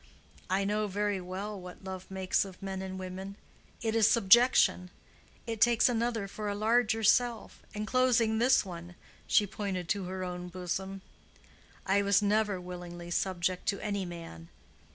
I know very well what love makes of men and women—it is subjection. It takes another for a larger self, enclosing this one,"—she pointed to her own bosom. "I was never willingly subject to any man.